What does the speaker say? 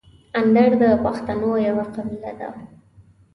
اندړ د پښتنو یوه قبیله ده.